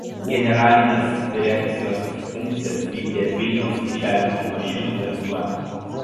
Generalinės direkcijos funkcijas vykdė Vilniaus skaičiavimo mašinų gamykla.